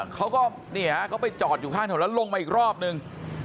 เขาก็นี่ฮะเขาไปจอดอยู่ข้างถนนแล้วลงมาอีกรอบนึง